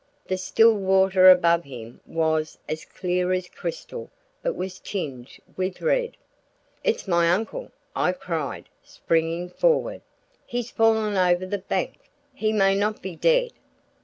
The still water above him was as clear as crystal but was tinged with red. "It's my uncle!" I cried, springing forward. "He's fallen over the bank. He may not be dead."